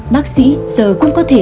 bác sĩ giờ cũng có thể